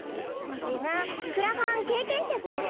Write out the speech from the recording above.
自分クラファン経験者っス。